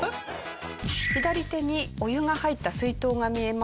左手にお湯が入った水筒が見えます。